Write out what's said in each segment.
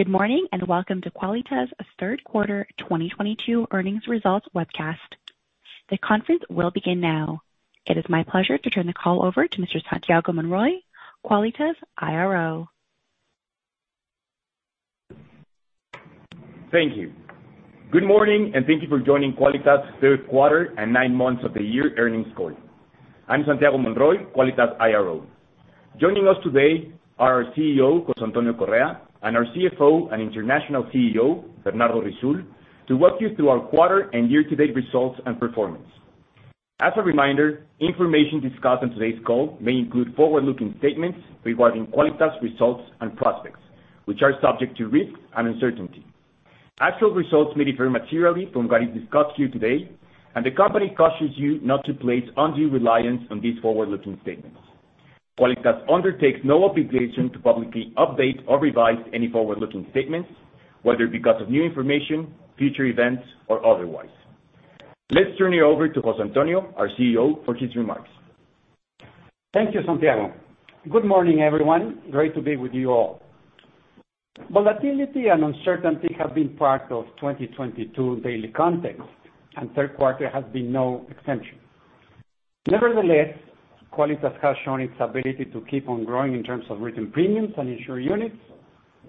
Good morning, and welcome to Quálitas' Q3 2022 Earnings Results Webcast. The conference will begin now. It is my pleasure to turn the call over to Mr. Santiago Monroy, Quálitas' IRO. Thank you. Good morning, and thank you for joining Quálitas' Q3 and Nine Months of the Year Earnings Call. I'm Santiago Monroy, Quálitas' IRO. Joining us today are our CEO, José Antonio Correa, and our CFO and International CEO, Bernardo Risoul, to walk you through our quarter and year-to-date results and performance. As a reminder, information discussed on today's call may include forward-looking statements regarding Quálitas' results and prospects, which are subject to risk and uncertainty. Actual results may differ materially from what is discussed here today, and the company cautions you not to place undue reliance on these forward-looking statements. Quálitas undertakes no obligation to publicly update or revise any forward-looking statements, whether because of new information, future events, or otherwise. Let's turn it over to José Antonio, our CEO, for his remarks. Thank you, Santiago. Good morning, everyone. Great to be with you all. Volatility and uncertainty have been part of 2022 daily context, and Q3 has been no exception. Nevertheless, Quálitas has shown its ability to keep on growing in terms of written premiums and insured units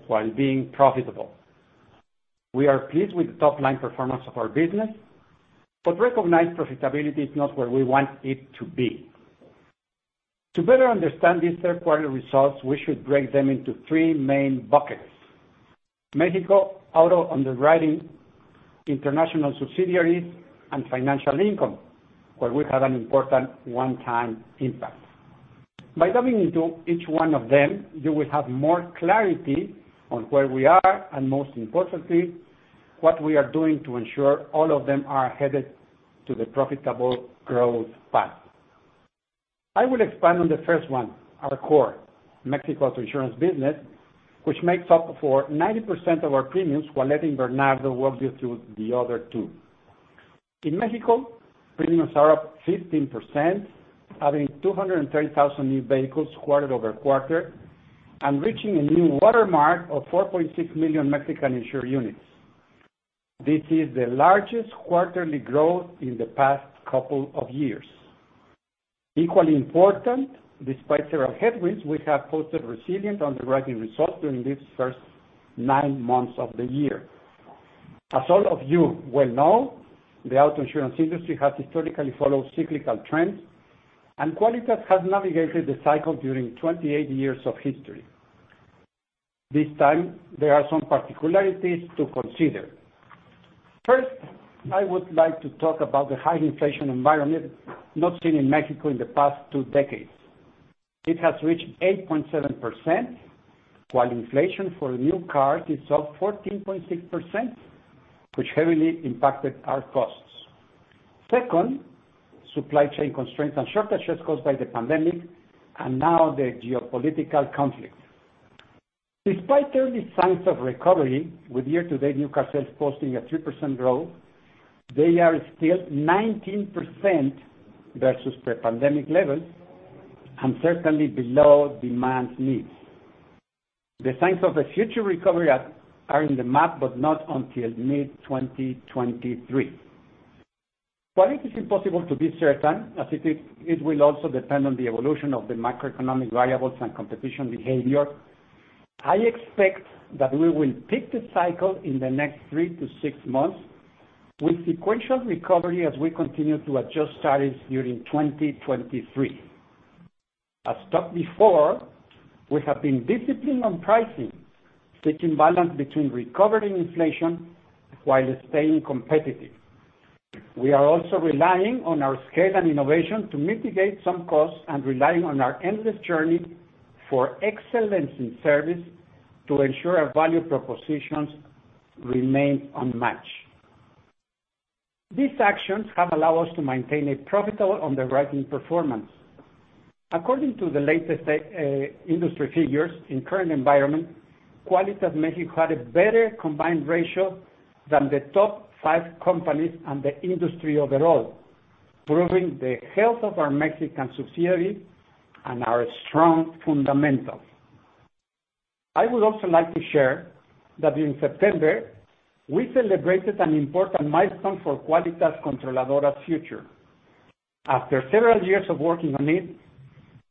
while being profitable. We are pleased with the top line performance of our business, but recognize profitability is not where we want it to be. To better understand these Q3 results, we should break them into three main buckets: Mexico auto underwriting, international subsidiaries, and financial income, where we have an important one-time impact. By diving into each one of them, you will have more clarity on where we are, and most importantly, what we are doing to ensure all of them are headed to the profitable growth path. I will expand on the first one, our core, Mexico's insurance business, which makes up for 90% of our premiums, while letting Bernardo walk you through the other two. In Mexico, premiums are up 15%, adding 230,000 new vehicles quarter over quarter and reaching a new watermark of 4.6 million Mexican insured units. This is the largest quarterly growth in the past couple of years. Equally important, despite several headwinds, we have posted resilient underwriting results during these first nine months of the year. As all of you well know, the auto insurance industry has historically followed cyclical trends, and Quálitas has navigated the cycle during 28 years of history. This time, there are some particularities to consider. 1st, I would like to talk about the high inflation environment not seen in Mexico in the past two decades. It has reached 8.7%, while inflation for a new car is up 14.6%, which heavily impacted our costs. 2nd, supply chain constraints and shortages caused by the pandemic and now the geopolitical conflict. Despite early signs of recovery, with year-to-date new car sales posting a 3% growth, they are still 19% versus pre-pandemic levels and certainly below demand needs. The signs of a future recovery are on the map, but not until mid-2023. While it is impossible to be certain, as it is, it will also depend on the evolution of the macroeconomic variables and competition behavior, I expect that we will pick the cycle in the next three to six months with sequential recovery as we continue to adjust strategies during 2023. As stated before, we have been disciplined on pricing, striking balance between recovering inflation while staying competitive. We are also relying on our scale and innovation to mitigate some costs and relying on our endless journey for excellence in service to ensure our value propositions remain unmatched. These actions have allowed us to maintain a profitable underwriting performance. According to the latest industry figures in the current environment, Quálitas México had a better combined ratio than the top five companies and the industry overall, proving the health of our Mexican subsidiary and our strong fundamentals. I would also like to share that in September, we celebrated an important milestone for Quálitas Controladora's future. After several years of working on it,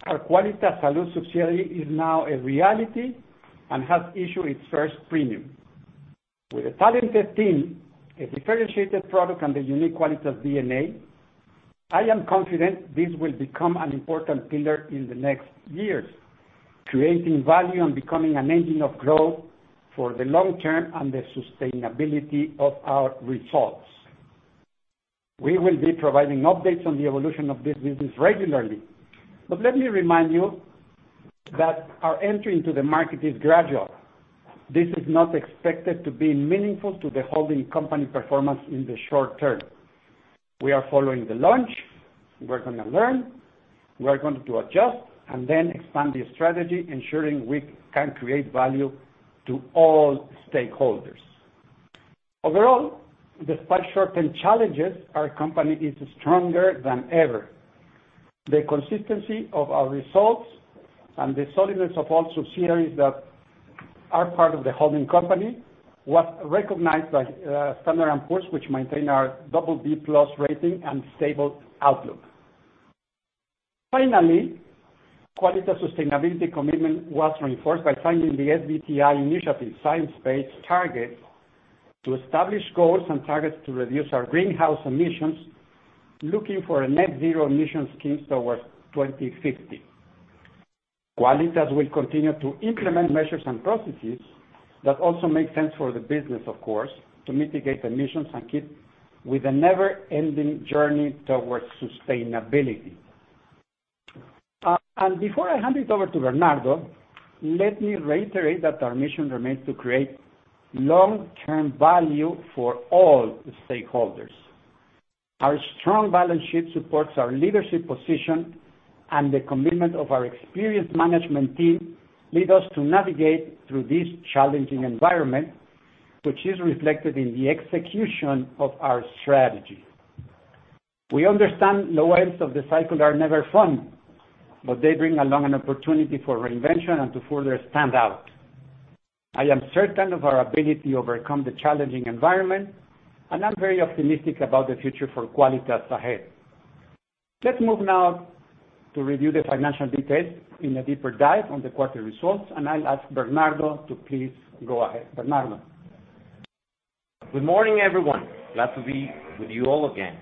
our Quálitas Salud subsidiary is now a reality and has issued its first premium. With a talented team, a differentiated product, and the unique Quálitas DNA, I am confident this will become an important pillar in the next years, creating value and becoming an engine of growth for the long term and the sustainability of our results. We will be providing updates on the evolution of this business regularly. Let me remind you that our entry into the market is gradual. This is not expected to be meaningful to the holding company performance in the short term. We are following the launch, we're gonna learn, we are going to adjust, and then expand the strategy, ensuring we can create value to all stakeholders. Overall, despite short-term challenges, our company is stronger than ever. The consistency of our results and the solidness of all subsidiaries that are part of the holding company was recognized by Standard & Poor's, which maintain our BB+ rating and stable outlook. Finally, Quálitas and sustainability commitment was reinforced by signing the SBTi initiative Science-Based Target to establish goals and targets to reduce our greenhouse emissions, looking for a net zero emissions scheme towards 2050. Quálitas will continue to implement measures and processes that also make sense for the business, of course, to mitigate emissions and keep with a never-ending journey towards sustainability. Before I hand it over to Bernardo, let me reiterate that our mission remains to create long-term value for all the stakeholders. Our strong balance sheet supports our leadership position, and the commitment of our experienced management team lead us to navigate through this challenging environment, which is reflected in the execution of our strategy. We understand low ends of the cycle are never fun, but they bring along an opportunity for reinvention and to further stand out. I am certain of our ability to overcome the challenging environment, and I'm very optimistic about the future for Quálitas ahead. Let's move now to review the financial details in a deeper dive on the quarter results, and I'll ask Bernardo to please go ahead. Bernardo? Good morning, everyone. Glad to be with you all again.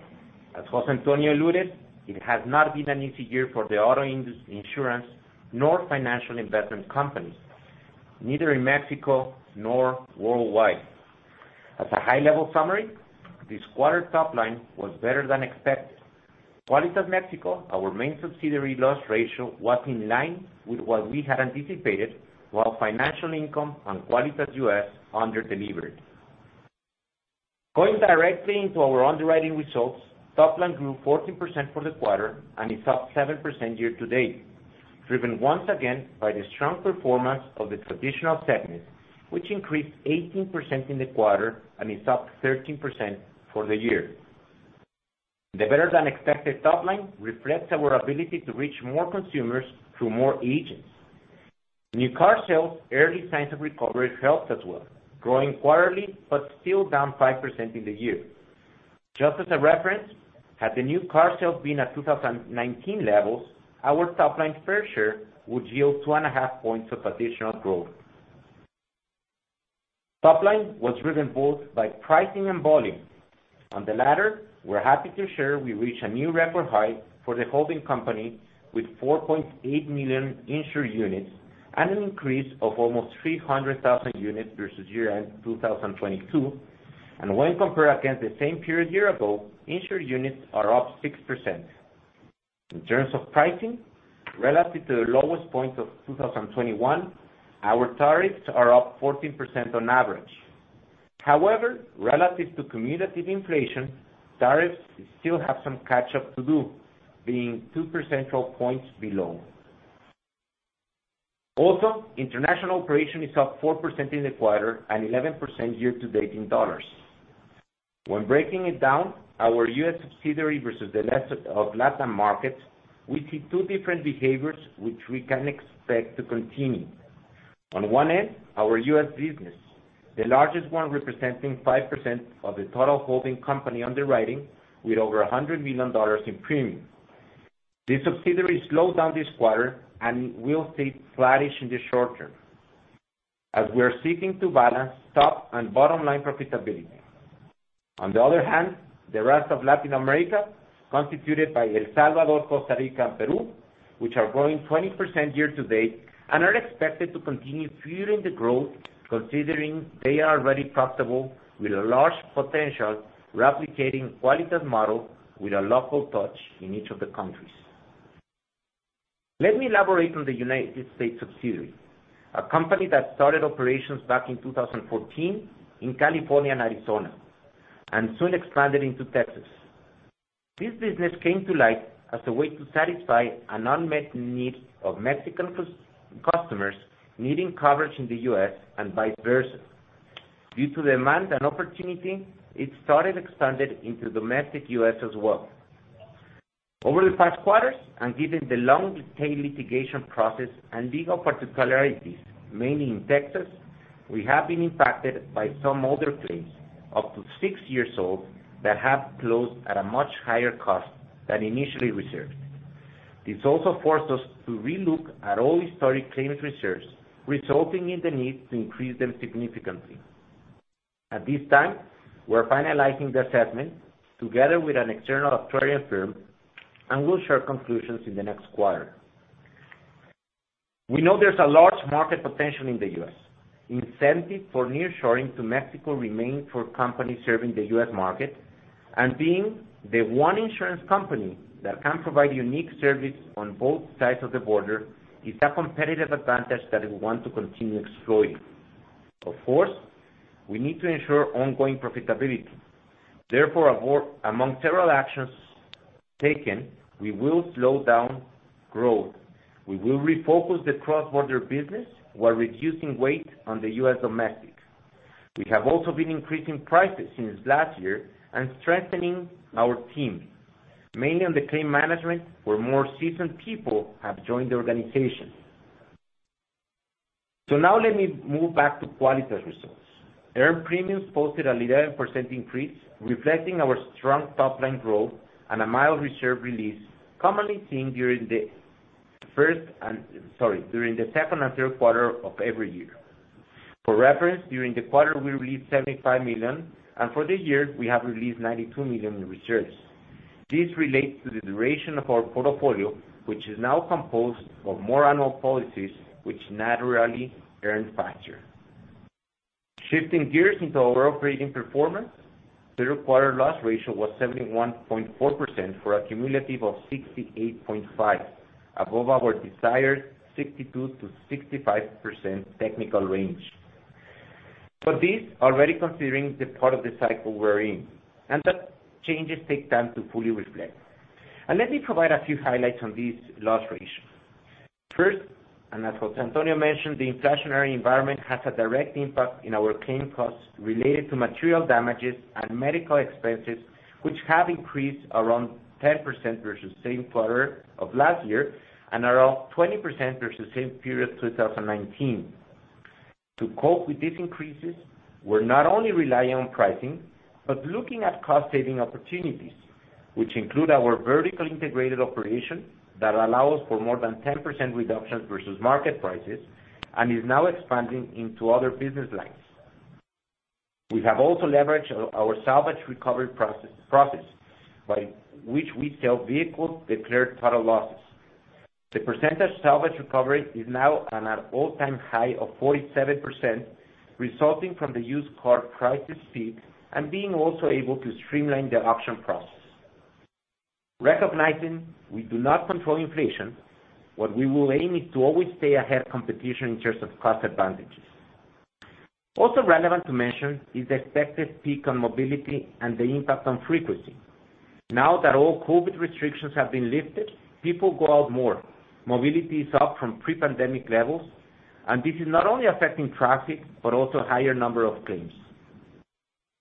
As José Antonio alluded, it has not been an easy year for the insurance nor financial investment companies, neither in Mexico nor worldwide. As a high-level summary, this quarter top line was better than expected. Quálitas Mexico, our main subsidiary loss ratio, was in line with what we had anticipated, while financial income on Quálitas US under-delivered. Going directly into our underwriting results, top line grew 14% for the quarter and is up 7% year to date, driven once again by the strong performance of the traditional segment, which increased 18% in the quarter and is up 13% for the year. The better than expected top line reflects our ability to reach more consumers through more agents. New car sales, early signs of recovery helped as well, growing quarterly but still down 5% in the year. Just as a reference, had the new car sales been at 2019 levels, our top line market share would yield 2.5 points of additional growth. Top line was driven both by pricing and volume. On the latter, we're happy to share we reached a new record height for the holding company with 4.8 million insured units at an increase of almost 300,000 units versus year-end 2022. When compared against the same period year ago, insured units are up 6%. In terms of pricing, relative to the lowest point of 2021, our tariffs are up 14% on average. However, relative to cumulative inflation, tariffs still have some catch up to do, being two percentage points below. Also, international operation is up 4% in the quarter and 11% year to date in dollars. When breaking it down, our US subsidiary versus the rest of Latin markets, we see two different behaviors which we can expect to continue. On one end, our US business, the largest one representing 5% of the total holding company underwriting with over $100 million in premium. This subsidiary slowed down this quarter and will stay flattish in the short term, as we are seeking to balance top and bottom line profitability. On the other hand, the rest of Latin America, constituted by El Salvador, Costa Rica, and Peru, which are growing 20% year to date and are expected to continue fueling the growth considering they are already profitable with a large potential replicating Quálitas model with a local touch in each of the countries. Let me elaborate on the United States subsidiary, a company that started operations back in 2014 in California and Arizona, and soon expanded into Texas. This business came to light as a way to satisfy an unmet need of Mexican customers needing coverage in the US and vice versa. Due to demand and opportunity, it started expanding into domestic US as well. Over the past quarters, and given the long detailed litigation process and legal particularities, mainly in Texas, we have been impacted by some older claims up to six years old that have closed at a much higher cost than initially reserved. This also forced us to relook at all historic claims reserves, resulting in the need to increase them significantly. At this time, we're finalizing the assessment together with an external actuarial firm, and we'll share conclusions in the next quarter. We know there's a large market potential in the US Incentive for nearshoring to Mexico remain for companies serving the US market. Being the one insurance company that can provide unique service on both sides of the border is a competitive advantage that we want to continue exploring. Of course, we need to ensure ongoing profitability. Therefore, among several actions taken, we will slow down growth. We will refocus the cross-border business while reducing weight on the US domestic. We have also been increasing prices since last year and strengthening our team, mainly on the claim management, where more seasoned people have joined the organization. Now let me move back to Quálitas results. Earned premiums posted 11% increase, reflecting our strong top-line growth and a mild reserve release commonly seen during the Q2 and Q3 of every year. For reference, during the quarter, we released 75 million, and for the year, we have released 92 million in reserves. This relates to the duration of our portfolio, which is now composed of more annual policies, which naturally earn faster. Shifting gears into our operating performance, the required loss ratio was 71.4% for a cumulative of 68.5%, above our desired 62%-65% technical range. This already considering the part of the cycle we're in, and that changes take time to fully reflect. Let me provide a few highlights on this loss ratio. 1st, and as José Antonio mentioned, the inflationary environment has a direct impact in our claim costs related to material damages and medical expenses, which have increased around 10% versus same quarter of last year and around 20% versus same period, 2019. To cope with these increases, we're not only relying on pricing, but looking at cost-saving opportunities, which include our vertically integrated operation that allow us for more than 10% reductions versus market prices and is now expanding into other business lines. We have also leveraged our salvage recovery process, by which we sell vehicles declared total losses. The percentage salvage recovery is now on an all-time high of 47%, resulting from the used car prices peak and being also able to streamline the auction process. Recognizing we do not control inflation, what we will aim is to always stay ahead competition in terms of cost advantages. Also relevant to mention is the expected peak on mobility and the impact on frequency. Now that all COVID restrictions have been lifted, people go out more. Mobility is up from pre-pandemic levels, and this is not only affecting traffic, but also higher number of claims.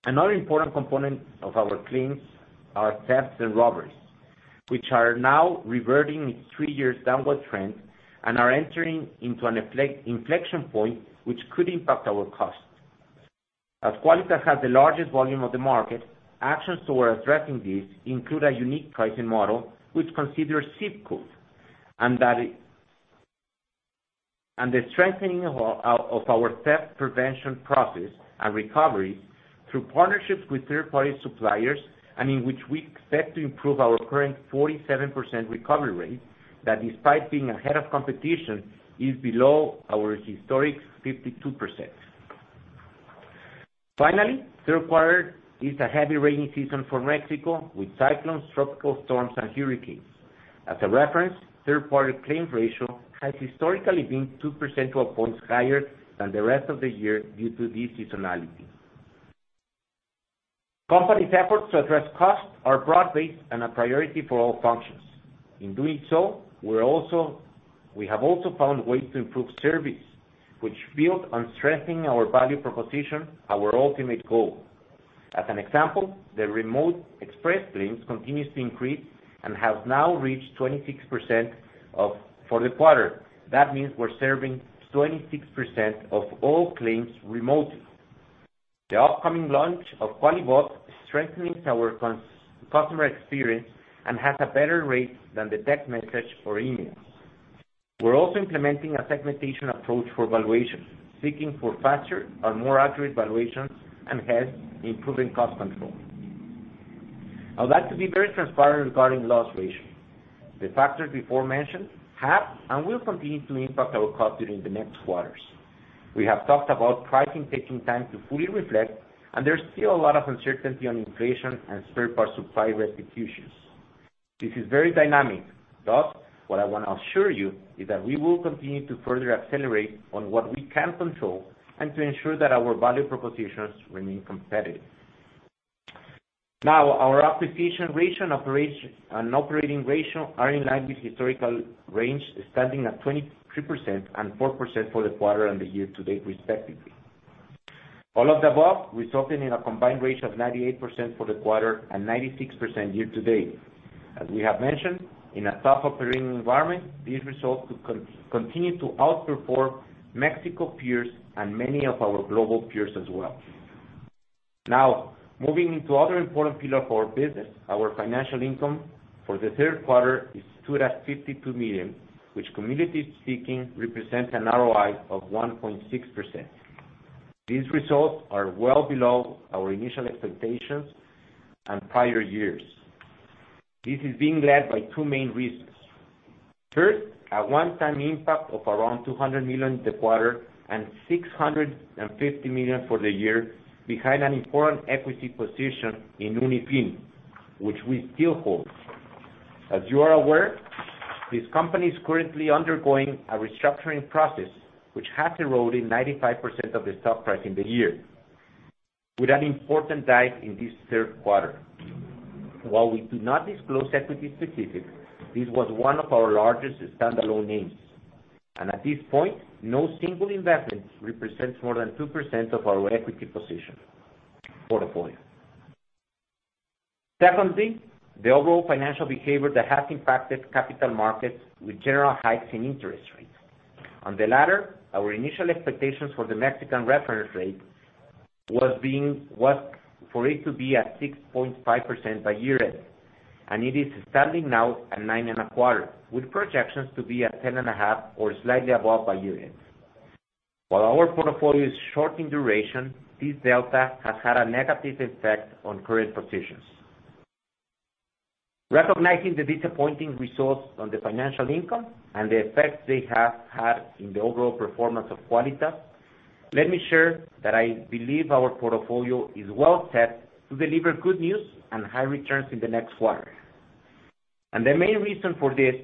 Another important component of our claims are thefts and robberies, which are now reverting three years downward trend and are entering into an inflection point which could impact our costs. As Quálitas has the largest volume of the market, actions toward addressing this include a unique pricing model which considers ZIP code and the strengthening of our theft prevention process and recovery through partnerships with third-party suppliers, and in which we expect to improve our current 47% recovery rate that despite being ahead of competition, is below our historic 52%. Finally, Q3 is a heavy rainy season for Mexico, with cyclones, tropical storms, and hurricanes. As a reference, Q3 claims ratio has historically been two percentage points higher than the rest of the year due to this seasonality. Company's efforts to address costs are broad-based and a priority for all functions. In doing so, we have also found ways to improve service, which build on strengthening our value proposition, our ultimate goal. As an example, the remote express claims continue to increase and has now reached 26% for the quarter. That means we're serving 26% of all claims remotely. The upcoming launch of Quali-Bot is strengthening our customer experience and has a better rate than the text message or email. We're also implementing a segmentation approach for valuations, seeking for faster and more accurate valuations, and hence, improving cost control. I would like to be very transparent regarding loss ratio. The factors before mentioned have and will continue to impact our cost during the next quarters. We have talked about pricing taking time to fully reflect, and there's still a lot of uncertainty on inflation and spare part supply restitutions. This is very dynamic. Thus, what I want to assure you is that we will continue to further accelerate on what we can control and to ensure that our value propositions remain competitive. Now, our acquisition ratio and operating ratio are in line with historical range, standing at 23% and 4% for the quarter and the year to date respectively. All of the above resulting in a combined ratio of 98% for the quarter and 96% year to date. As we have mentioned, in a tough operating environment, these results continue to outperform Mexico peers and many of our global peers as well. Now, moving into other important pillar of our business, our financial income for the Q3 stood at 52 million, which cumulatively speaking, represents an ROI of 1.6%. These results are well below our initial expectations and prior years. This is being led by two main reasons. 1st, a one-time impact of around 200 million in the quarter and 650 million for the year behind an important equity position in Unifin, which we still hold. As you are aware, this company is currently undergoing a restructuring process which has eroded 95% of the stock price in the year, with an important dive in this Q3. While we do not disclose equity specifics, this was one of our largest standalone names. At this point, no single investment represents more than 2% of our equity position portfolio. 2nd, the overall financial behavior that has impacted capital markets with general hikes in interest rates. On the latter, our initial expectations for the Mexican reference rate was for it to be at 6.5% by year-end, and it is standing now at 9.25%, with projections to be at 10.5% or slightly above by year-end. While our portfolio is short in duration, this delta has had a negative effect on current positions. Recognizing the disappointing results on the financial income and the effect they have had in the overall performance of Quálitas, let me share that I believe our portfolio is well set to deliver good news and high returns in the next quarter. The main reason for this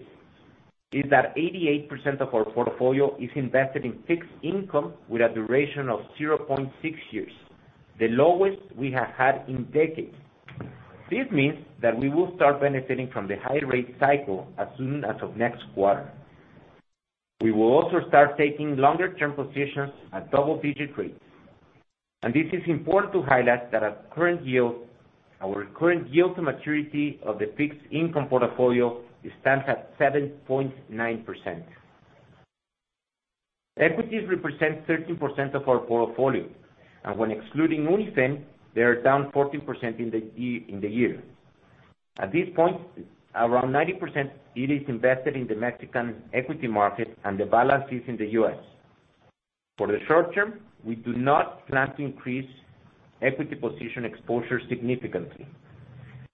is that 88% of our portfolio is invested in fixed income with a duration of 0.6 years, the lowest we have had in decades. This means that we will start benefiting from the high rate cycle as soon as of next quarter. We will also start taking longer term positions at double-digit rates. This is important to highlight that our current yield to maturity of the fixed income portfolio stands at 7.9%. Equities represent 13% of our portfolio, and when excluding Unifin, they are down 14% in the year. At this point, around 90% it is invested in the Mexican equity market and the balance is in the US. For the short term, we do not plan to increase equity position exposure significantly.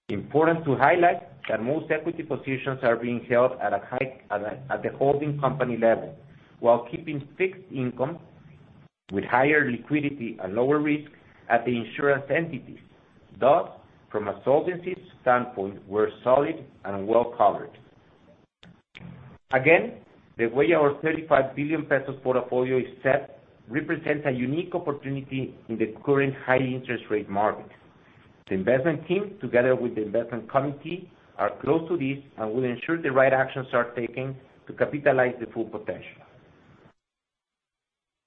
Important to highlight that most equity positions are being held at the holding company level while keeping fixed income with higher liquidity and lower risk at the insurance entities. Thus, from a solvency standpoint, we're solid and well covered. Again, the way our 35 billion pesos portfolio is set represents a unique opportunity in the current high interest rate market. The investment team, together with the investment committee, are close to this and will ensure the right actions are taken to capitalize the full potential.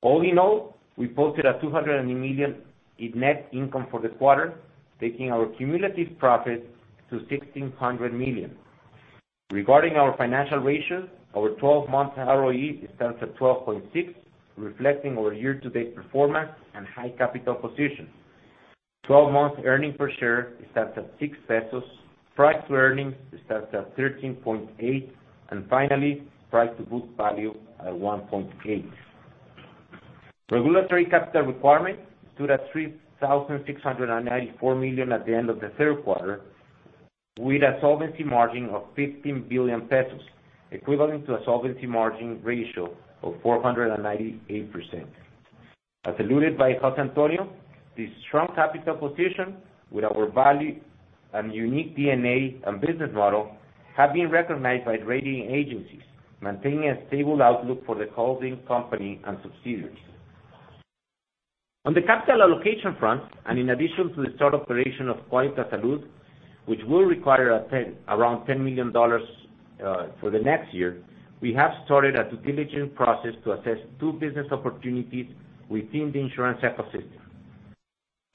All in all, we posted 200 million in net income for the quarter, taking our cumulative profits to 1,600 million. Regarding our financial ratios, our 12-month ROE stands at 12.6%, reflecting our year-to-date performance and high capital position. 12-month earnings per share starts at 6 pesos. Price to earnings starts at 13.8. Finally, price to book value at 1.8. Regulatory capital requirement stood at 3,694 million at the end of the Q3, with a solvency margin of 15 billion pesos, equivalent to a solvency margin ratio of 498%. As alluded by José Antonio, this strong capital position with our value and unique DNA and business model have been recognized by rating agencies, maintaining a stable outlook for the holding company and subsidiaries. On the capital allocation front, in addition to the start operation of Quálitas Salud, which will require around $10 million for the next year, we have started a due diligence process to assess two business opportunities within the insurance ecosystem.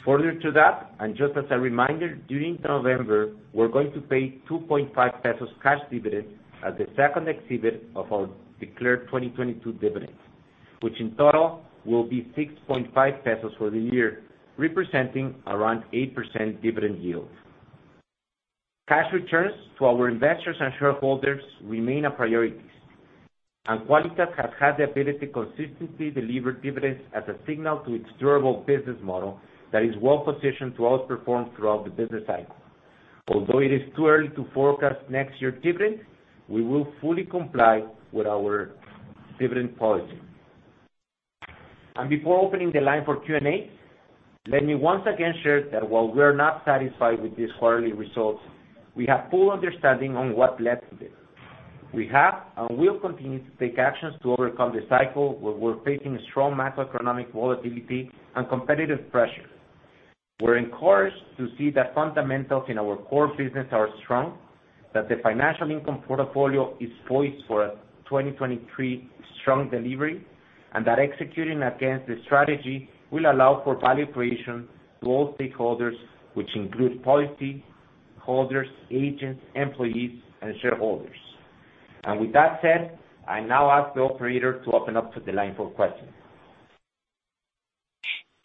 Further to that, and just as a reminder, during November, we're going to pay 2.5 pesos cash dividend as the second exhibit of our declared 2022 dividends, which in total will be 6.5 pesos for the year, representing around 8% dividend yield. Cash returns to our investors and shareholders remain a priority, and Quálitas has had the ability to consistently deliver dividends as a signal to its durable business model that is well positioned to outperform throughout the business cycle. Although it is too early to forecast next year dividends, we will fully comply with our dividend policy. Before opening the line for Q&A, let me once again share that while we're not satisfied with these quarterly results, we have full understanding on what led to this. We have and will continue to take actions to overcome this cycle, where we're facing strong macroeconomic volatility and competitive pressures. We're encouraged to see that fundamentals in our core business are strong, that the financial income portfolio is poised for a 2023 strong delivery, and that executing against this strategy will allow for value creation to all stakeholders, which include policy holders, agents, employees, and shareholders. With that said, I now ask the operator to open up to the line for questions.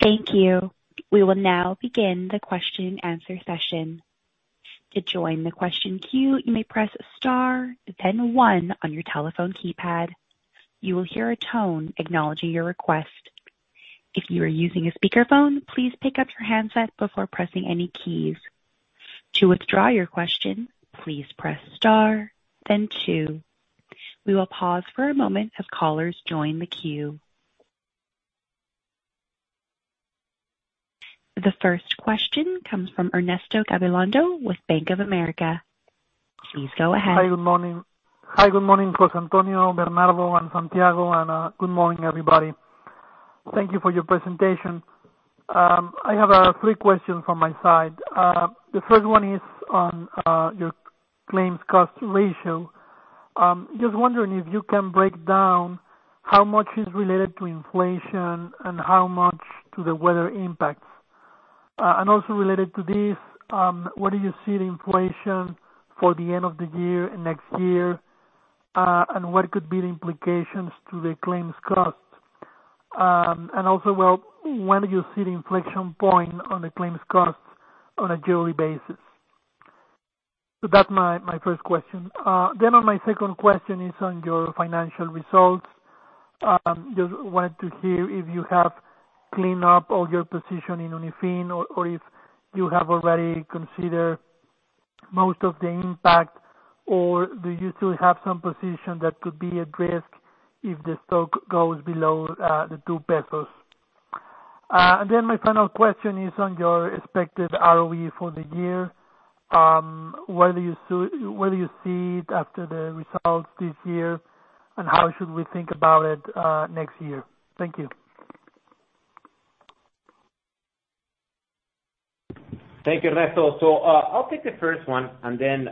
Thank you. We will now begin the question and answer session. The first question comes from Ernesto Gabilondo with Bank of America. Please go ahead. Hi, good morning. Hi, good morning, José Antonio, Bernardo, and Santiago, and good morning, everybody. Thank you for your presentation. I have three questions from my side. The 1st one is on your claims cost ratio. Just wondering if you can break down, how much is related to inflation and how much to the weather impacts? And also related to this, what do you see the inflation for the end of the year and next year, and what could be the implications to the claims cost? And also, well, when do you see the inflection point on the claims costs on a yearly basis? That's my 1st question. On my 2nd question is on your financial results. Just wanted to hear if you have cleaned up all your position in Unifin or if you have already considered most of the impact or do you still have some position that could be at risk if the stock goes below 2 pesos? My final question is on your expected ROE for the year. Where do you see it after the results this year, and how should we think about it next year? Thank you. Thank you, Ernesto. I'll take the first one, and then,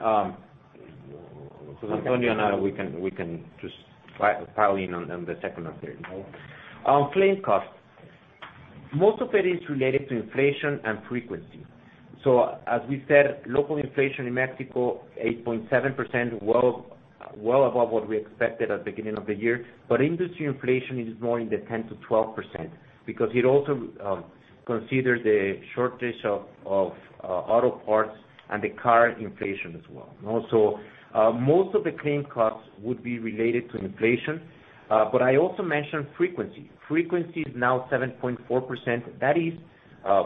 José Antonio and I, we can just pile in on the second and third. On claim costs, most of it is related to inflation and frequency. As we said, local inflation in Mexico, 8.7%, well above what we expected at beginning of the year. Industry inflation is more in the 10%-12% because it also consider the shortage of auto parts and the car inflation as well. Also, most of the claim costs would be related to inflation. I also mentioned frequency. Frequency is now 7.4% that is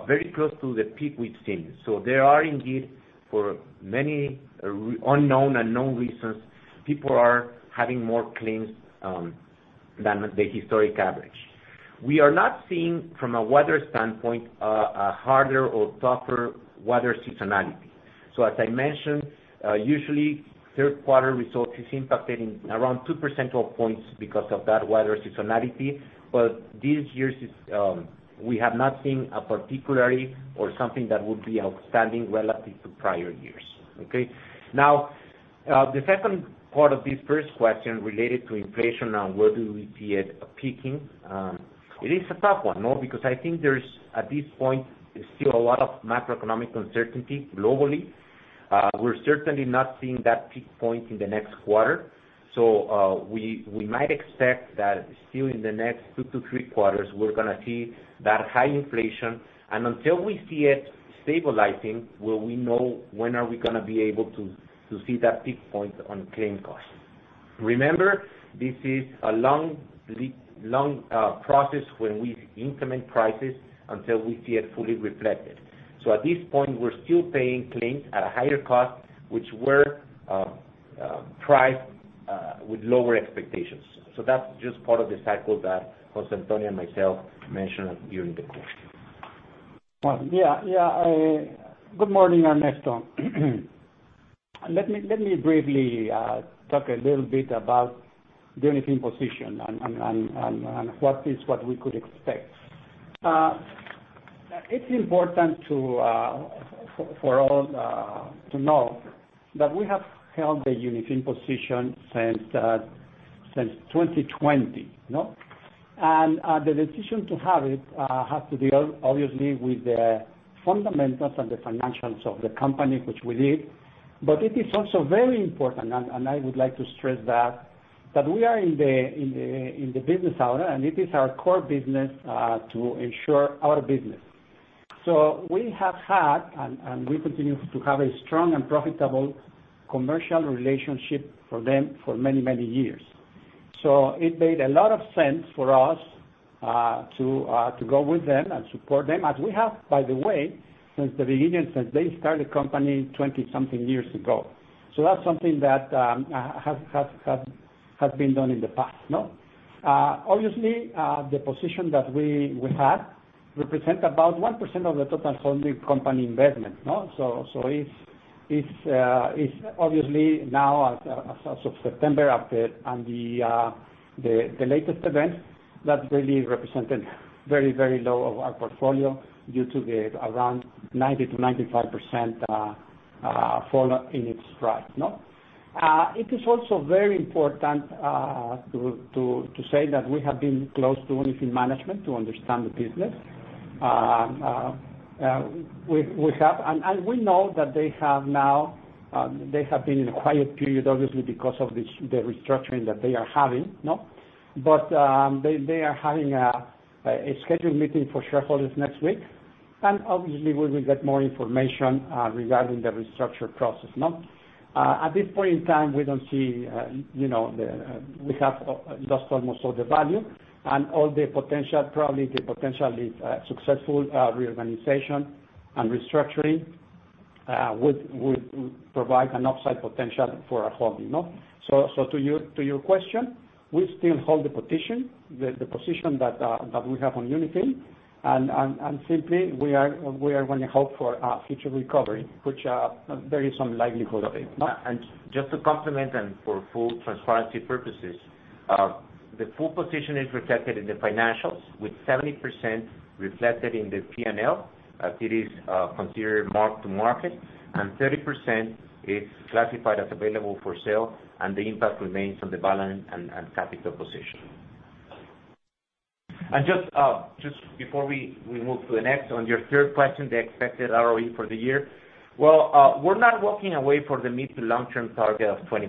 very close to the peak we've seen. There are indeed, for many unknown and known reasons, people are having more claims than the historic average. We are not seeing from a weather standpoint a harder or tougher weather seasonality. As I mentioned, usually Q3 results is impacted in around two percentage points because of that weather seasonality. But this year's is, we have not seen a particularly or something that would be outstanding relative to prior years. Okay. Now, the second part of this first question related to inflation and where do we see it peaking, it is a tough one, no? Because I think there's, at this point, still a lot of macroeconomic uncertainty globally. We're certainly not seeing that peak point in the next quarter. We might expect that still in the next two to three quarters, we're gonna see that high inflation. Until we see it stabilizing will we know when we are gonna be able to see that peak point on claim costs. Remember, this is a long process when we increment prices until we see it fully reflected. At this point, we're still paying claims at a higher cost, which were priced with lower expectations. That's just part of the cycle that José Antonio and myself mentioned during the call. Well, yeah. Yeah. Good morning, Ernesto. Let me briefly talk a little bit about the Unifin position and what we could expect. It's important for all to know that we have held the Unifin position since 2020, you know? The decision to have it has to deal obviously with the fundamentals and the financials of the company which we did. It is also very important, and I would like to stress that we are in the insurance business, and it is our core business to insure their business. We have had and we continue to have a strong and profitable commercial relationship with them for many, many years. It made a lot of sense for us to go with them and support them as we have, by the way, since the beginning, since they started the company 20-something years ago. That's something that has been done in the past, no? Obviously, the position that we had represent about 1% of the total holding company investment, no? It's obviously now as of September after the latest event that really represented very, very low of our portfolio due to the around 90%-95% fall in its price, no? It is also very important to say that we have been close to Unifin management to understand the business. We have... We know that they have been in a quiet period, obviously, because of the restructuring that they are having, no? They are having a scheduled meeting for shareholders next week, and obviously we will get more information regarding the restructuring process, no? At this point in time, we don't see, you know, we have lost almost all the value and all the potential, probably the potentially successful reorganization and restructuring would provide an upside potential for a hold, you know. To your question, we still hold the position that we have on Unifin. Simply we are gonna hope for a future recovery, which there is some likelihood of it. No? Just to complement and for full transparency purposes, the full position is reflected in the financials with 70% reflected in the P&L, as it is considered mark to market, and 30% is classified as available for sale, and the impact remains on the balance and capital position. Just before we move to the next, on your 3rd question, the expected ROE for the year. Well, we're not walking away from the mid to long term target of 20%.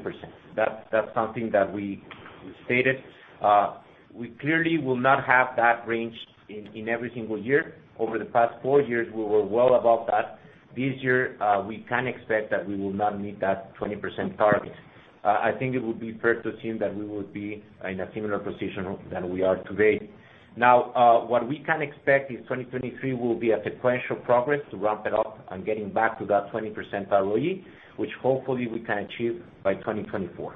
That's something that we stated. We clearly will not have that range in every single year. Over the past four years, we were well above that. This year, we can expect that we will not meet that 20% target. I think it would be fair to assume that we will be in a similar position than we are today. Now, what we can expect is 2023 will be a sequential progress to ramp it up and getting back to that 20% ROE, which hopefully we can achieve by 2024.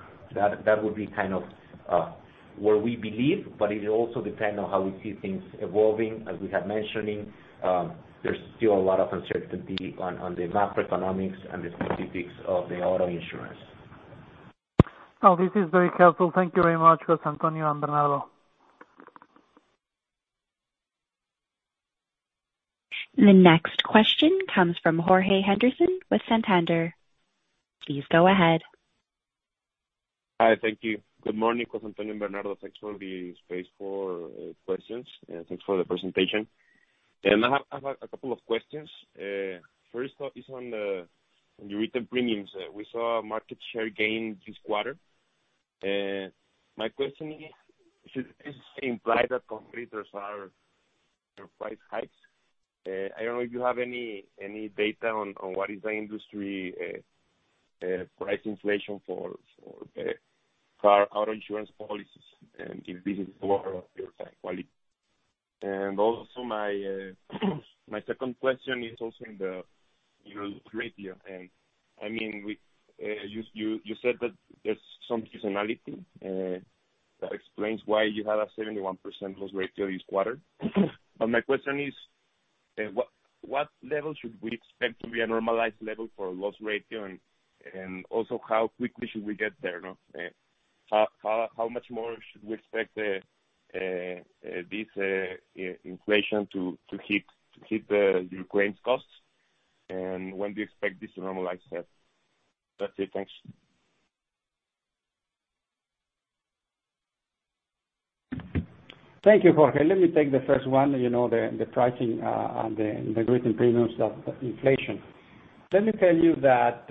That would be kind of what we believe, but it will also depend on how we see things evolving. As we have mentioning, there's still a lot of uncertainty on the macroeconomics and the specifics of the auto insurance. Now, this is very helpful. Thank you very much, José Antonio and Bernardo. The next question comes from Jorge Henderson with Santander. Please go ahead. Hi. Thank you. Good morning, José Antonio and Bernardo. Thanks for the space for questions, and thanks for the presentation. I have a couple of questions. 1st up is on the written premiums. We saw a market share gain this quarter. My question is, should this imply that competitors are hiking prices? I don't know if you have any data on what is the industry price inflation for auto insurance policies and if this is lower or higher than yours. My 2nd question is also in the loss ratio. You said that there's some seasonality that explains why you have a 71% loss ratio this quarter. My question is, what level should we expect to be a normalized level for loss ratio? Also, how quickly should we get there? How much more should we expect this inflation to hit the claims costs, and when do you expect this to normalize there? That's it. Thanks. Thank you, Jorge. Let me take the first one. You know, the pricing on the written premiums of inflation. Let me tell you that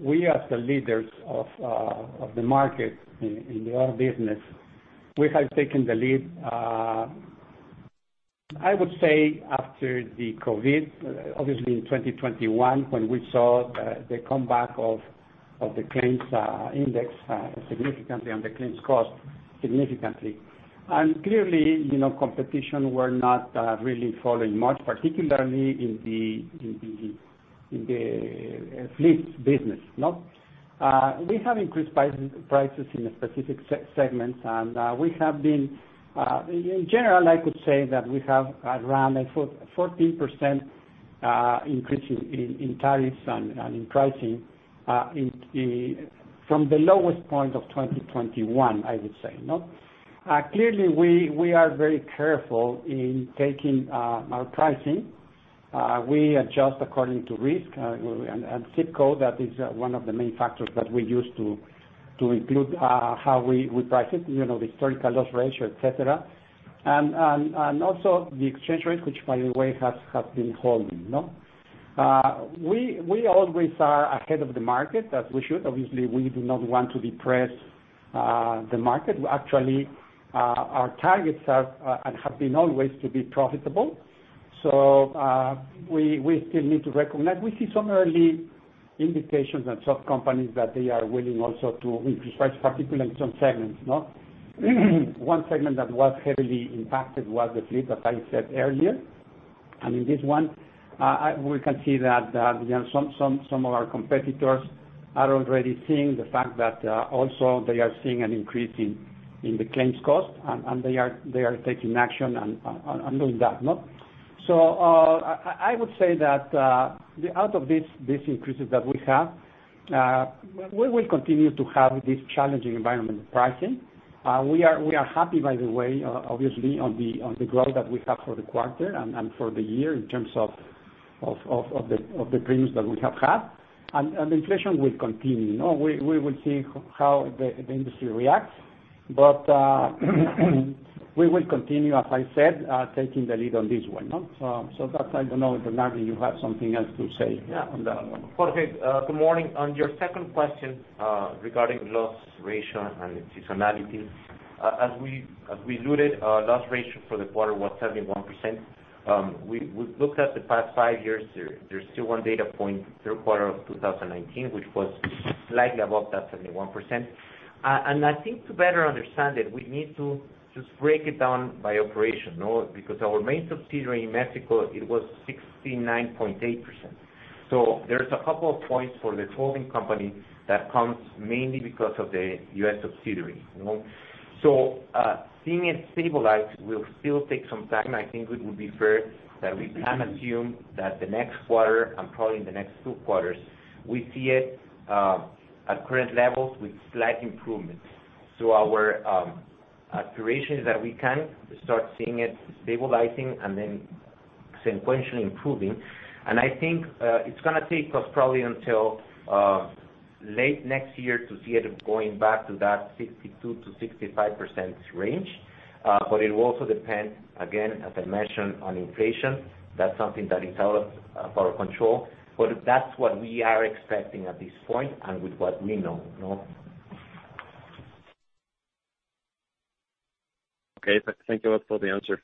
we, as the leaders of the market in the auto business, we have taken the lead, I would say after the COVID, obviously in 2021, when we saw the comeback of the claims index significantly and the claims cost significantly. Clearly, you know, competitors were not really following much, particularly in the fleets business. No? We have increased prices in the specific segments. In general, I could say that we have around a 4%-14% increase in tariffs and in pricing from the lowest point of 2021, I would say. No? Clearly, we are very careful in taking our pricing. We adjust according to risk and zip code. That is one of the main factors that we use to include how we price it, you know, the historical loss ratio, et cetera. Also the exchange rate, which, by the way, has been holding. We always are ahead of the market as we should. Obviously, we do not want to depress the market. Actually, our targets are and have been always to be profitable. We still need to recognize. We see some early indications and some companies that they are willing also to increase price, particularly in some segments. One segment that was heavily impacted was the fleet, as I said earlier. In this one, we can see that, you know, some of our competitors are already seeing the fact that also they are seeing an increase in the claims cost and they are taking action and doing that. No? I would say that out of these increases that we have, we will continue to have this challenging environment pricing. We are happy, by the way, obviously on the growth that we have for the quarter and for the year in terms of the premiums that we have had. Inflation will continue. No? We will see how the industry reacts. We will continue, as I said, taking the lead on this one. No? I don't know if, Bernardo, you have something else to say on that one. Yeah. Jorge, good morning. On your 2nd question, regarding loss ratio and seasonality, as we noted, loss ratio for the quarter was 71%. We looked at the past five years. There's still one data point, Q3 of 2019, which was slightly above that 71%. I think to better understand it, we need to just break it down by operation. No? Because our main subsidiary in Mexico, it was 69.8%. There's a couple of points for the holding company that comes mainly because of the US subsidiary. Seeing it stabilize will still take some time. I think it would be fair that we can assume that the next quarter and probably in the next Q2, we see it at current levels with slight improvements to our operations that we can start seeing it stabilizing and then sequentially improving. I think it's gonna take us probably until late next year to see it going back to that 62%-65% range. It will also depend, again, as I mentioned, on inflation. That's something that is out of our control. That's what we are expecting at this point and with what we know. Okay. Thank you for the answer.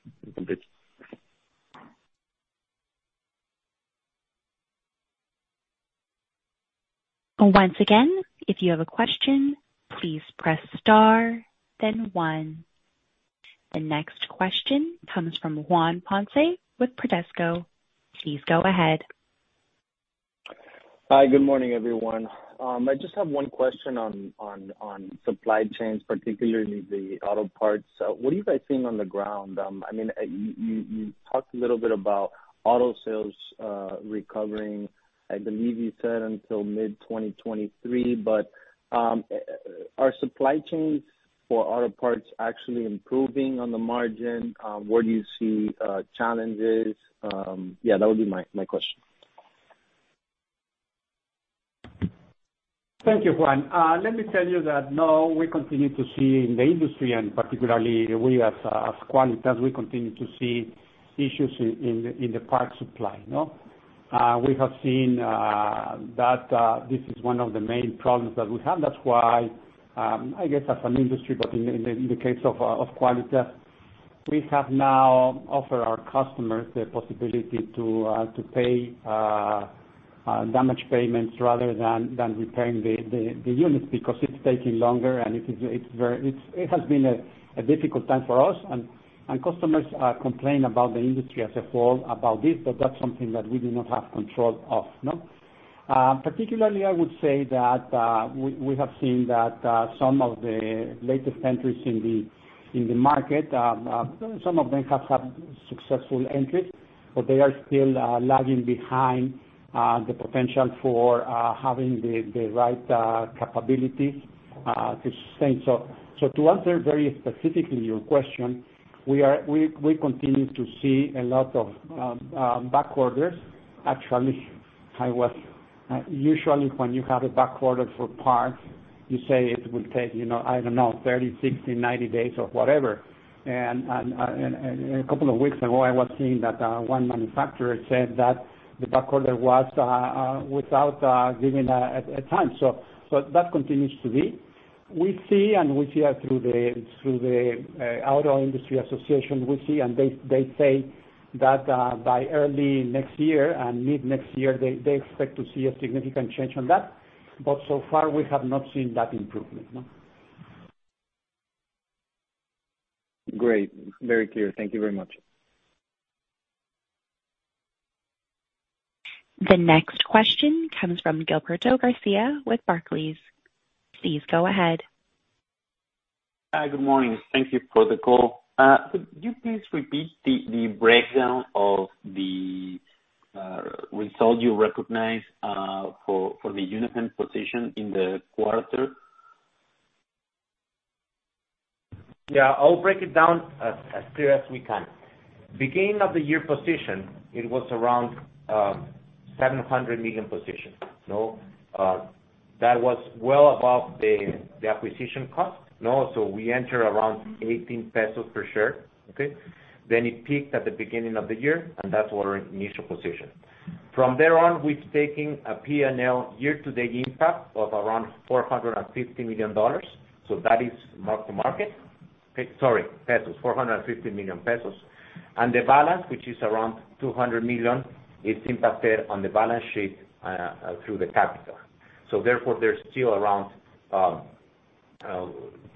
Once again, if you have a question, please press star then one. The next question comes from Juan Ponce with Bradesco. Please go ahead. Hi, good morning, everyone. I just have one question on supply chains, particularly the auto parts. What are you guys seeing on the ground? I mean, you talked a little bit about auto sales recovering, I believe you said until mid-2023, but are supply chains for auto parts actually improving on the margin? Where do you see challenges? Yeah, that would be my question. Thank you, Juan. Let me tell you that we continue to see in the industry, and particularly we as Quálitas, we continue to see issues in the parts supply. We have seen that this is one of the main problems that we have. That's why, I guess as an industry, but in the case of Quálitas, we now offer our customers the possibility to pay damage payments rather than repairing the units because it's taking longer, and it is very. It has been a difficult time for us and customers complain about the industry as a whole about this, but that's something that we do not have control of. Particularly, I would say that we have seen that some of the latest entries in the market, some of them have had successful entries, but they are still lagging behind the potential for having the right capabilities to sustain. To answer very specifically your question, we continue to see a lot of back orders. Actually, usually, when you have a back order for parts, you say it will take, you know, I don't know, 30, 60, 90 days or whatever. A couple of weeks ago, I was seeing that one manufacturer said that the back order was without giving a time. That continues to be. We see through the Automotive Industry Association. They say that by early next year and mid-next year, they expect to see a significant change on that. So far, we have not seen that improvement. No? Great. Very clear. Thank you very much. The next question comes from Gilberto Garcia with Barclays. Please go ahead. Hi. Good morning. Thank you for the call. Could you please repeat the breakdown of the result you recognize for the Unifin position in the quarter? Yeah. I'll break it down as clear as we can. Beginning of the year position, it was around 700 million position. That was well above the acquisition cost. We enter around 18 pesos per share. Okay? Then it peaked at the beginning of the year, and that's our initial position. From there on, we've taken a P&L year-to-date impact of around MXN 450 million. That is mark to market. Sorry, pesos. 450 million pesos. The balance, which is around 200 million, is impacted on the balance sheet through the capital. Therefore, there's still around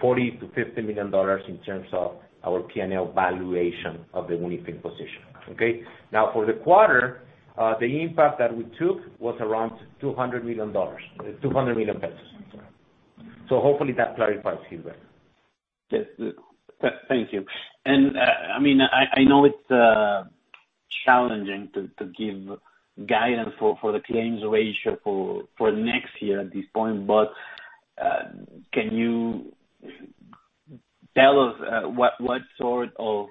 40 million to MXN 50 million in terms of our P&L valuation of the Unifin position. Okay? Now, for the quarter, the impact that we took was around MXN 200 million, I'm sorry. Hopefully that clarifies things better. Yes. Thank you. I mean, I know it's challenging to give guidance for the claims ratio for next year at this point, but can you tell us what sort of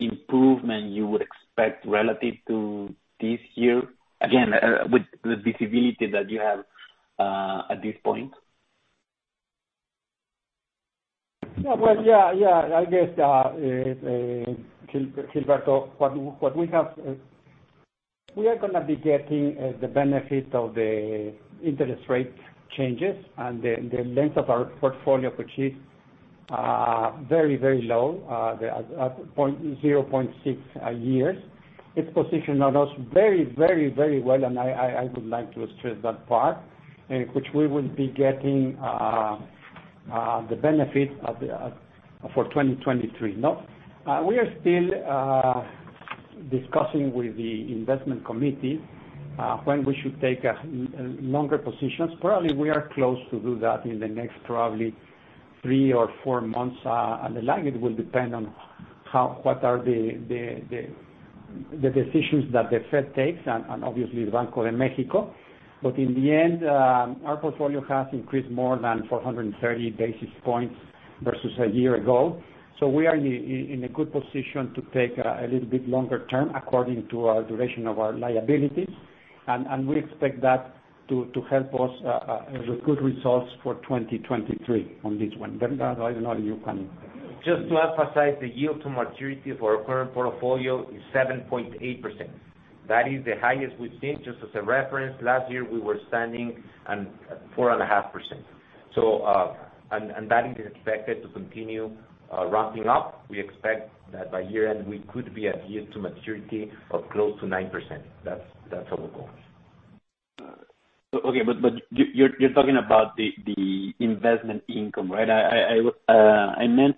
improvement you would expect relative to this year? Again, with the visibility that you have at this point. Yeah. Well, yeah. I guess, Gilberto, what we have, we are gonna be getting the benefit of the interest rate changes and the length of our portfolio which is very low at 0.6 years. It's positioned us very well, and I would like to stress that part, which we will be getting. The benefit of the for 2023. No, we are still discussing with the investment committee when we should take longer positions. Probably we are close to do that in the next probably three or four months, and the length will depend on what are the decisions that the Fed takes and obviously Banco de México. In the end, our portfolio has increased more than 430 basis points versus a year ago. We are in a good position to take a little bit longer term according to our duration of our liabilities. We expect that to help us with good results for 2023 on this one. Bernardo, I don't know if you can- Just to emphasize, the yield to maturity for our current portfolio is 7.8%. That is the highest we've seen. Just as a reference, last year we were at 4.5%. And that is expected to continue ramping up. We expect that by year-end, we could be at yield to maturity of close to 9%. That's how we're going. Okay. You're talking about the investment income, right? I meant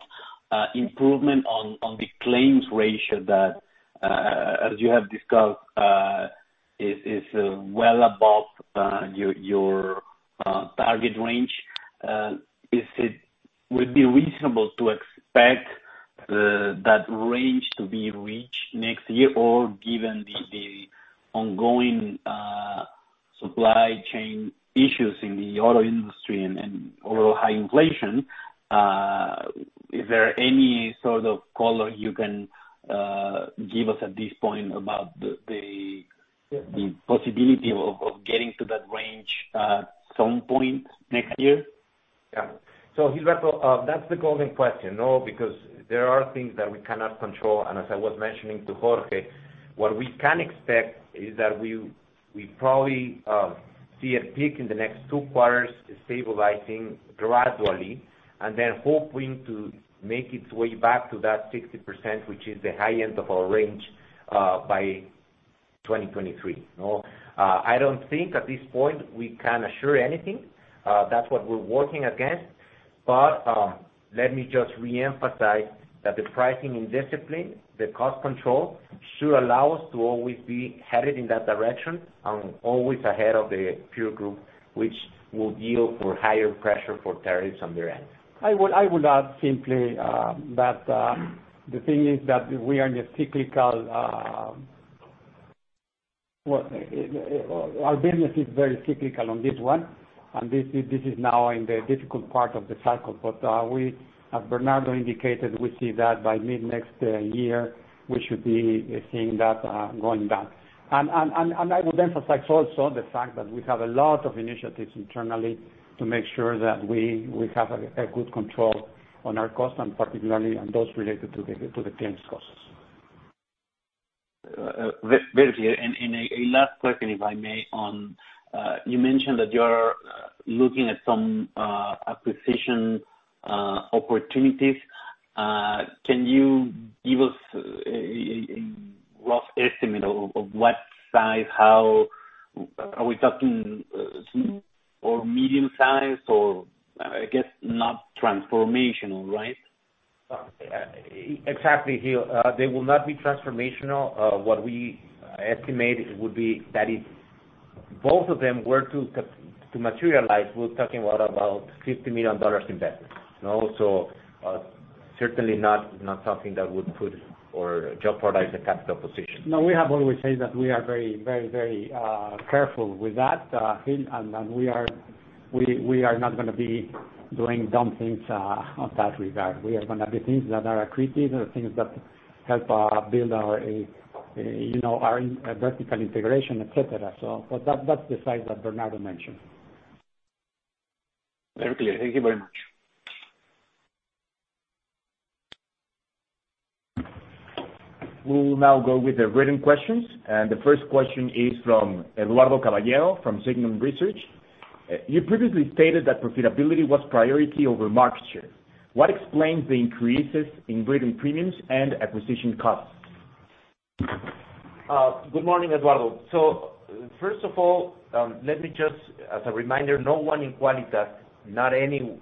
improvement on the claims ratio that as you have discussed is well above your target range. Would it be reasonable to expect that range to be reached next year? Given the ongoing supply chain issues in the auto industry and overall high inflation, is there any sort of color you can give us at this point about the possibility of getting to that range at some point next year? Yeah. Gilberto, that's the golden question, you know, because there are things that we cannot control. As I was mentioning to Jorge, what we can expect is that we probably see a peak in the next Q2, stabilizing gradually, and then hoping to make its way back to that 60%, which is the high end of our range, by 2023, you know? I don't think at this point we can assure anything. That's what we're working against. Let me just reemphasize that the pricing and discipline, the cost control should allow us to always be headed in that direction and always ahead of the peer group, which will yield for higher pressure for tariffs on their end. I would add simply that the thing is that we are in a cyclical. Well, our business is very cyclical on this one, and this is now in the difficult part of the cycle. We, as Bernardo indicated, we see that by mid-next year, we should be seeing that going back. I would emphasize also the fact that we have a lot of initiatives internally to make sure that we have a good control on our costs, and particularly on those related to the claims costs. Very clear. A last question, if I may, on you mentioned that you're looking at some acquisition opportunities. Can you give us a rough estimate of what size? How are we talking small or medium size? Or I guess not transformational, right? Exactly, Gil. They will not be transformational. What we estimate would be that if both of them were to materialize, we're talking about $50 million investment. You know, so certainly not something that would put or jeopardize the capital position. No, we have always said that we are very careful with that, Gil. We are not gonna be doing dumb things in that regard. We are gonna do things that are accretive and things that help build our, you know, our vertical integration, et cetera. But that's the size that Bernardo mentioned. Very clear. Thank you very much. We will now go with the written questions, and the first question is from Eduardo Caballero from Signum Research. You previously stated that profitability was priority over market share. What explains the increases in written premiums and acquisition costs? Good morning, Eduardo. First of all, let me just as a reminder, no one in Quálitas, not any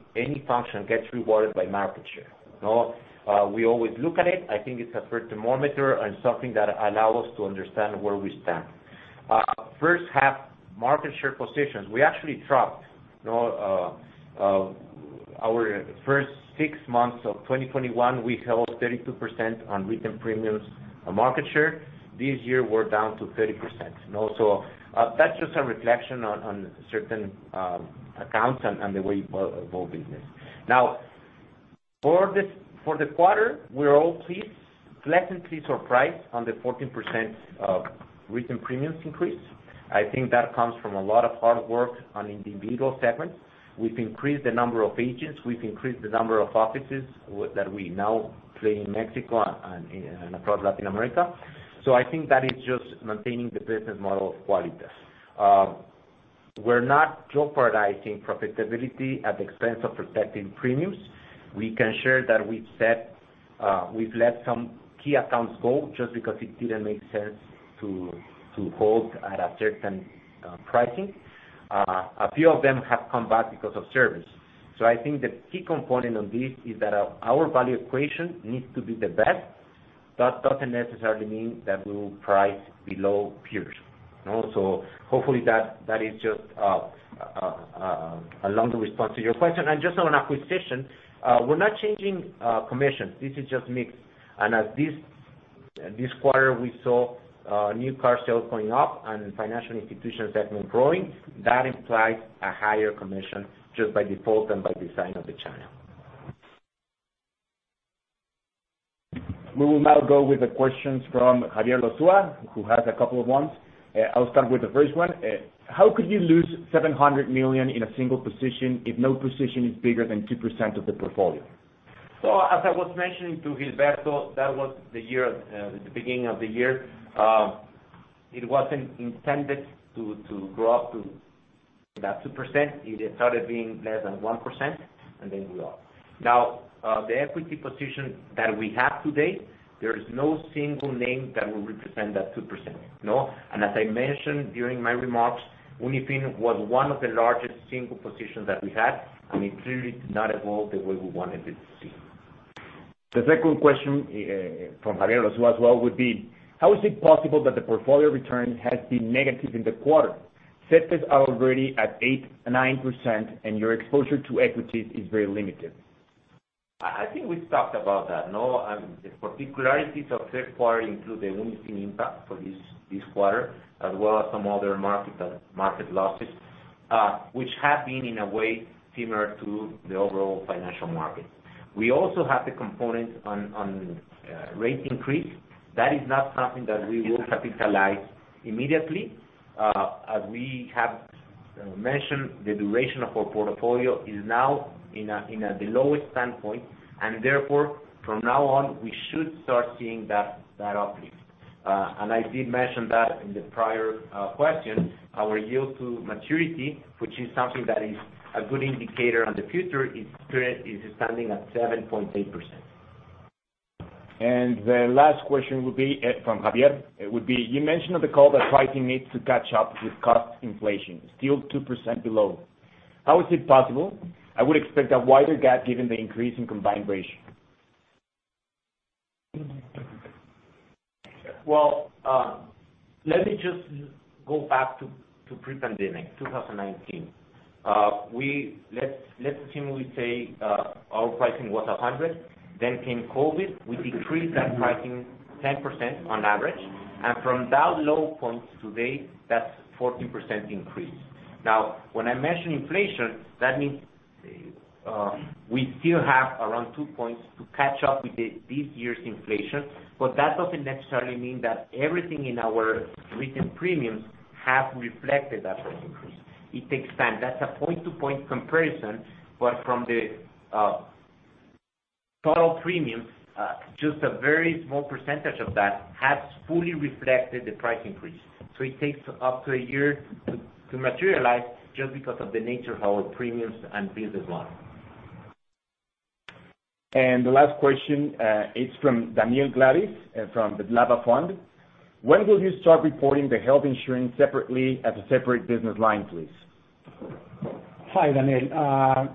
function gets rewarded by market share. You know? We always look at it. I think it's a good thermometer and something that allow us to understand where we stand. First half market share positions, we actually dropped. You know, our first six months of 2021, we held 32% on written premiums on market share. This year, we're down to 30%. You know, so, that's just a reflection on certain accounts and the way we build business. Now, for the quarter, we're all pleased, pleasantly surprised on the 14% of written premiums increase. I think that comes from a lot of hard work on individual segments. We've increased the number of agents. We've increased the number of offices that we now play in Mexico and across Latin America. I think that is just maintaining the business model of Quálitas. We're not jeopardizing profitability at the expense of protecting premiums. We can share that we've let some key accounts go just because it didn't make sense to hold at a certain pricing. A few of them have come back because of service. I think the key component of this is that our value equation needs to be the best, but doesn't necessarily mean that we will price below peers. No? Hopefully that is just a longer response to your question. And just on acquisition, we're not changing commissions. This is just mix. And as this quarter, we saw new car sales going up and financial institutions that were growing, that implies a higher commission just by default and by design of the channel. We will now go with the questions from Javier Lozano, who has a couple of ones. I'll start with the first one. How could you lose 700 million in a single position if no position is bigger than 2% of the portfolio? As I was mentioning to Gilberto, that was the year, the beginning of the year. It wasn't intended to grow up to that 2%. It started being less than 1%, and then we're up. Now, the equity position that we have today, there is no single name that will represent that 2%. No? As I mentioned during my remarks, Unifin was one of the largest single positions that we had, and it clearly did not evolve the way we wanted to see. The second question from Javier Lozano as well would be: How is it possible that the portfolio return has been negative in the quarter? Set this already at 8%-9% and your exposure to equities is very limited. I think we've talked about that, no? The particularities of Q3 include the Unifin impact for this quarter, as well as some other market losses, which have been in a way similar to the overall financial market. We also have the component on rate increase. That is not something that we will capitalize immediately. As we have mentioned, the duration of our portfolio is now in the lowest standpoint, and therefore, from now on, we should start seeing that uplift. I did mention that in the prior question, our yield to maturity, which is something that is a good indicator on the future, it's currently standing at 7.8%. The last question would be from Javier. It would be, you mentioned on the call that pricing needs to catch up with cost inflation, still 2% below. How is it possible? I would expect a wider gap given the increase in combined ratio. Well, let me just go back to pre-pandemic, 2019. Let's assume we say our pricing was 100, then came COVID, we decreased that pricing 10% on average. From that low point to date, that's 14% increase. When I mention inflation, that means we still have around two points to catch up with this year's inflation, but that doesn't necessarily mean that everything in our recent premiums have reflected that price increase. It takes time. That's a point-to-point comparison, but from the total premiums, just a very small percentage of that has fully reflected the price increase. It takes up to a year to materialize just because of the nature of our premiums and business line. The last question is from Daniel Gladis from the Vltava Fund. When will you start reporting the health insurance separately as a separate business line, please? Hi, Daniel.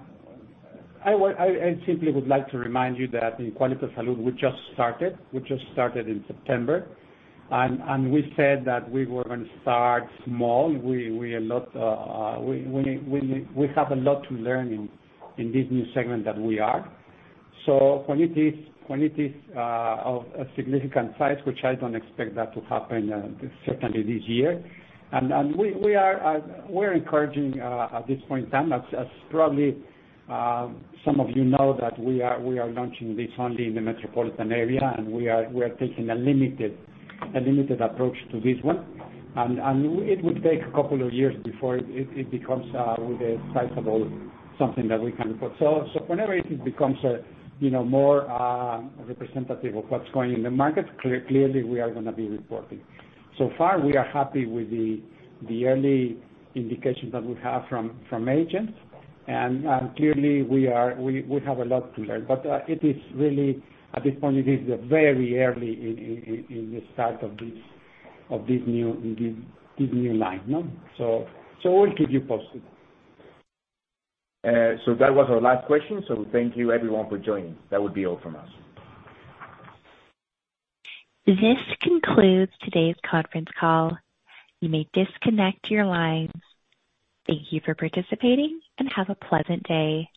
I simply would like to remind you that in Quálitas Salud, we just started. We just started in September. We said that we were gonna start small. We have a lot to learn in this new segment that we are. When it is of a significant size, which I don't expect that to happen certainly this year. We are encouraging at this point in time, as probably some of you know, that we are launching this only in the metropolitan area, and we are taking a limited approach to this one. It would take a couple of years before it becomes with a sizable something that we can report. Whenever it becomes a, you know, more representative of what's going on in the market, clearly we are gonna be reporting. So far, we are happy with the early indications that we have from agents. Clearly, we have a lot to learn. It is really, at this point, it is very early in the start of this new line, no? We'll keep you posted. that was our last question, so thank you everyone for joining. That would be all from us. This concludes today's conference call. You may disconnect your lines. Thank you for participating, and have a pleasant day.